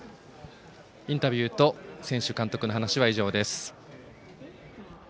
インタビューと選手、監督の話は以上です。